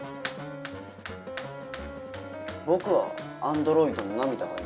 僕は「アンドロイドの涙」がいい。